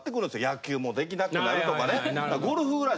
野球も出来なくなるとかね。